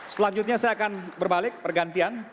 selanjutnya saya akan berbalik pergantian